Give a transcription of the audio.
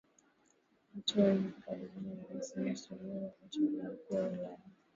Hatua ya hivi karibuni ya Rais Samia Suluhu kuwateua wakuu wa wilaya